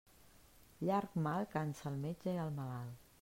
Llarg mal cansa el metge i el malalt.